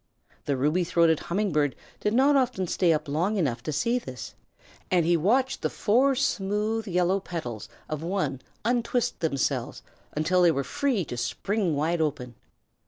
The Ruby throated Humming Bird did not often stay up long enough to see this, and he watched the four smooth yellow petals of one untwist themselves until they were free to spring wide open.